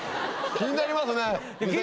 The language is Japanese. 気になります！